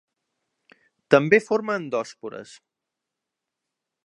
També forma endòspores.